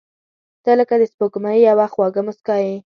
• ته لکه د سپوږمۍ یوه خواږه موسکا یې.